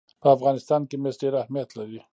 په افغانستان کې مس ډېر اهمیت لري.